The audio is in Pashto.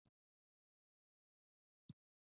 د کانکور امادګۍ کورسونه سوداګري ده؟